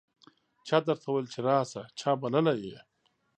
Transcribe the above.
چا درته وویل چې راسه ؟ چا بللی یې